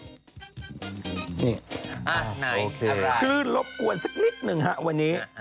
คือรบกวนสักนิดหนึ่งฮะวันนี้